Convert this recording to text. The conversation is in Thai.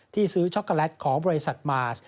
ที่ซื้อช็อกโกแลตของบริษัทมาส